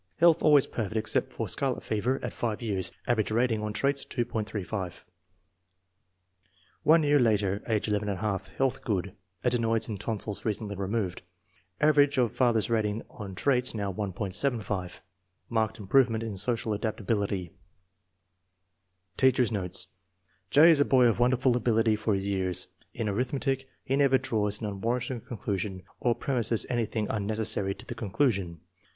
Health always perfect except for scarlet fever at 5 years. Average rating on traits, .35. One year later, age llj. Health good; adenoids and tonsils recently removed. Average of father's rating on traits now 1.75. Marked improvement in social adaptability. Teacher's notes. " J. is a boy of wonderful ability for his years. In arithmetic he never draws an un warranted conclusion or premises anything unneces sary to the conclusion."